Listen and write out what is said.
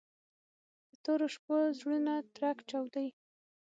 د تورو شپو زړونه ترک وچاودي